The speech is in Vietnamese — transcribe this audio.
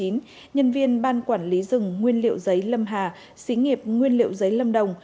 nhân viên ban quản lý rừng nguyên liệu giấy lâm hà xí nghiệp nguyên liệu giấy lâm đồng